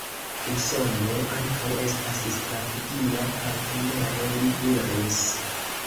Usono ankaŭ estas strategia partnero, li diris.